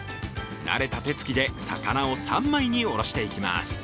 慣れた手つきで魚を３枚におろしていきます。